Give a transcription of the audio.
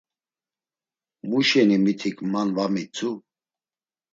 Mu şeni mitik man va mitzu?